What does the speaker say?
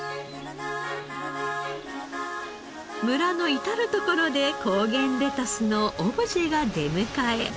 村の至る所で高原レタスのオブジェが出迎え。